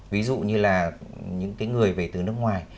ví dụ như là những cái người về từ nước ngoài